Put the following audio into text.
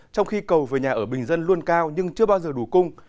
trong khi cầu về nhà ở bình dân luôn cao nhưng chưa bao giờ đủ cung